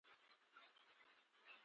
د خپل وږي نس مړول ورته لمړیتوب لري